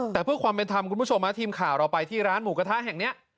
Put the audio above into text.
แต่เพื่อความเป็นธรรมคุณผู้ชมทีมข่าวเราไปที่ร้านหมูกระทะแห่งนี้